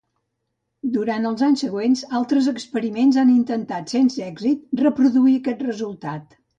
Durant els anys següents, altres experiments han intentat sense èxit reproduir aquest resultat.